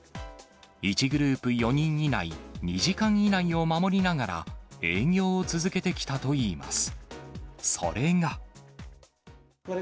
１グループ４人以内、２時間以内を守りながら、営業を続けてきたといいます。